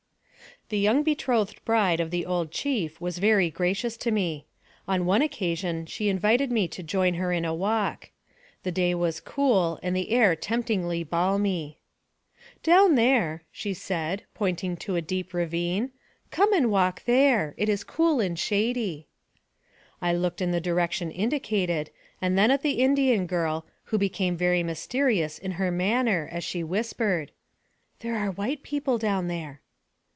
The young betrothed bride of the old chief was very gracious to me. On one occasion she invited me to join her in a walk. The day was cool, and the air temptingly balmy. " Down there," she said, pointing to a deep ravine ; "come and walk there; it is cool and shady." I looked in the direction indicated, and then at the Indian girl, who became very mysterious in her man ner, as she whispered: " There are white people down there."